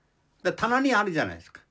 棚にあるじゃないですか。